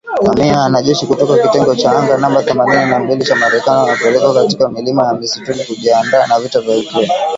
Mamia ya wanajeshi kutoka kitengo cha anga namba themanini na mbili cha Marekani wamepelekwa katika milima ya msituni kujiandaa na vita ya Ukraine